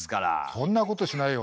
そんなことしないよ。